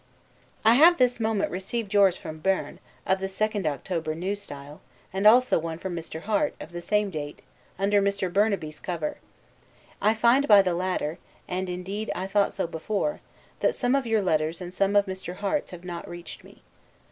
I have this moment received yours from Berne, of the 2d October, N. S. and also one from Mr. Harte, of the same date, under Mr. Burnaby's cover. I find by the latter, and indeed I thought so before, that some of your letters and some of Mr. Harte's have not reached me.